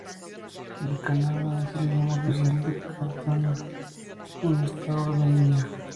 El kannada es el idioma oficial de Karnataka, un estado de la India.